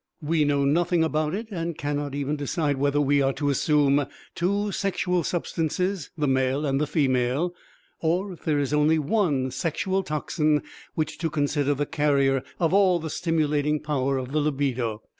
We know nothing about it and cannot even decide whether we are to assume two sexual substances, the male and the female, or, if there is only one sexual toxin, which to consider the carrier of all the stimulating power of the libido.